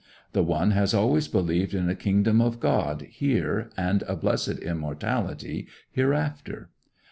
The one has always believed in a kingdom of God here and a blessed immortality hereafter.